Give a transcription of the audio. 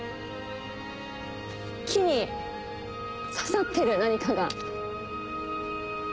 木に刺さってる何かが。